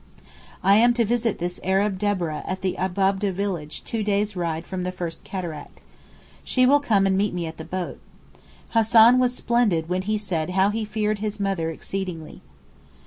I am to visit this Arab Deborah at the Abab'deh village two days ride from the first Cataract. She will come and meet me at the boat. Hassan was splendid when he said how he feared his mother exceedingly.